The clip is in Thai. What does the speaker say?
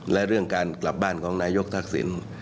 และเรื่องการกลับบ้านของนายกทักษิณ